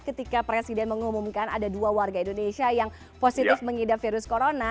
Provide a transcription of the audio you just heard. ketika presiden mengumumkan ada dua warga indonesia yang positif mengidap virus corona